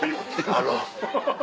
あの。